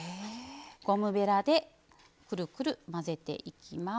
ゴムべらでくるくる混ぜていきます。